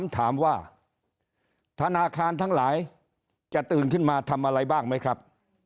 ถามว่าธนาคารทั้งหลายจะตื่นขึ้นมาทำอะไรบ้างไหมครับ